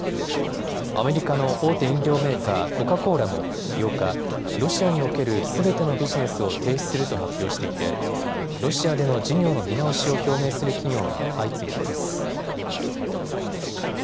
アメリカの大手飲料メーカー、コカ・コーラも８日、ロシアにおけるすべてのビジネスを停止すると発表していてロシアでの事業の見直しを表明する企業が相次いでいます。